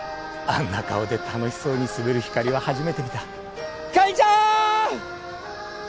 あんな顔で楽しそうに滑るひかりは初めて見たひかりちゃーん！